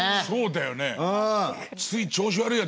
そうだよね。